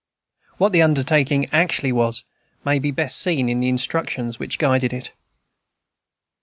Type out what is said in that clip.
What the undertaking actually was may be best seen in the instructions which guided it.